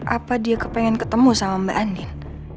apa dia kepengen ketemu sama mbak andi